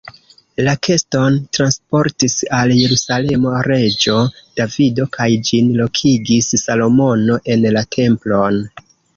La keston transportis al Jerusalemo reĝo Davido kaj ĝin lokigis Salomono en la templon.